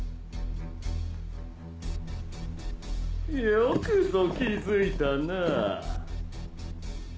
よくぞ気付いたなぁ。